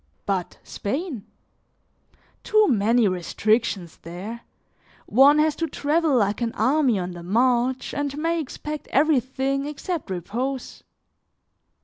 But Spain? Too many restrictions there; one has to travel like an army on the march and may expect everything except repose.